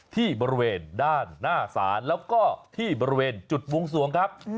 ที่บริเวณด้านหน้าศาลแล้วก็ที่บริเวณจุดวงสวงครับ